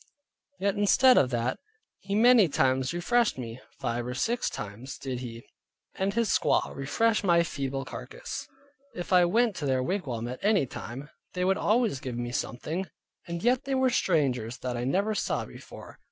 Yea, instead of that, he many times refreshed me; five or six times did he and his squaw refresh my feeble carcass. If I went to their wigwam at any time, they would always give me something, and yet they were strangers that I never saw before.